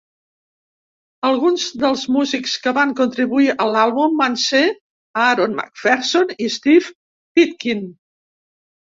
Alguns dels músics que van contribuir a l'àlbum van ser Aaron MacPherson i Steve Pitkin.